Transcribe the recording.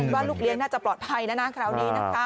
ว่าลูกเลี้ยงน่าจะปลอดภัยแล้วนะคราวนี้นะคะ